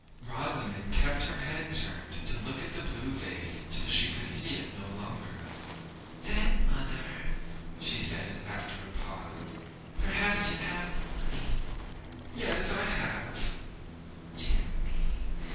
Rosamond kept her head turned to look at the blue vase till she could see it no longer. 'Then, mother,' said she, after a pause, 'perhaps you have no money.' 'Yes, I have.' 'Dear me!